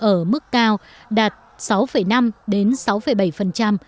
ở mức cao đạt sáu năm sáu bảy